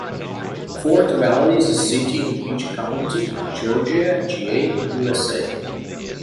Fort Valley is a city in Peach County, Georgia (GA), U.S.A.